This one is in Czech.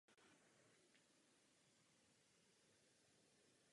Vyžaduje zjednodušení a větší integraci.